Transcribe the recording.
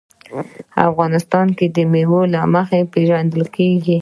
افغانستان د مېوې له مخې پېژندل کېږي.